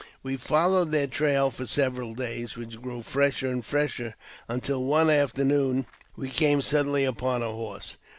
We followed their trail for several days, which grew fresher and fresher, until one afternoon we came suddenly upon a horse.